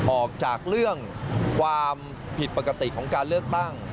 ออกจากเรื่องความผิดปกติของการเลือกตั้ง